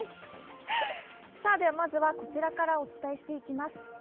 まずはこちらからお伝えしていきます。